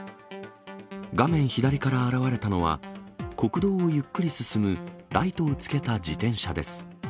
画面左から現れたのは、国道をゆっくり進む、ライトをつけた自転車です。